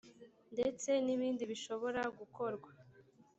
ndetse nibindi bishobora gukorwa .